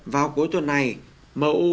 vào cuối tuần này mou